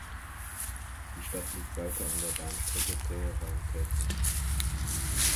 Die Stadt liegt weiter an der Bahnstrecke Teheran–Täbris.